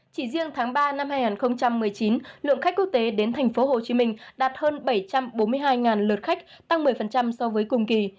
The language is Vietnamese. chỉ riêng tháng ba năm hai nghìn một mươi chín lượng khách quốc tế đến tp hcm đạt hơn bảy trăm bốn mươi hai lượt khách tăng một mươi so với cùng kỳ